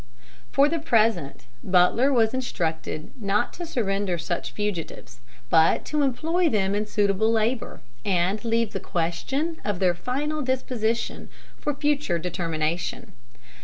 For the present, Butler was instructed not to surrender such fugitives, but to employ them in suitable labor, and leave the question of their final disposition for future determination.